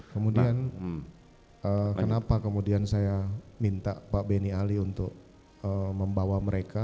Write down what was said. kemudian kenapa kemudian saya minta pak benny ali untuk membawa mereka